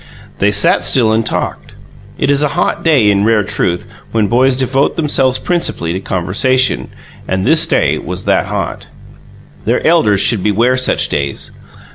They sat still and talked. It is a hot day, in rare truth, when boys devote themselves principally to conversation, and this day was that hot. Their elders should beware such days.